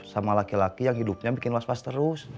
sama laki laki yang hidupnya bikin was was terus